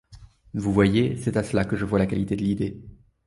Vous voyez, c’est à cela que je vois la qualité de l’idée.